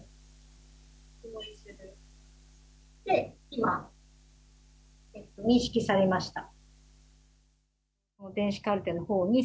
今、認識されました。